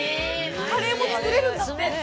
カレーも作れるんだ！